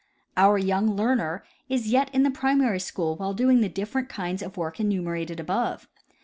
Our young learner is yet in the primary school while doing the difterent kinds of work enumerated above.